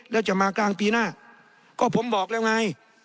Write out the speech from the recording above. แล้วจะมากลางปีหน้าก็ผมบอกแล้วไง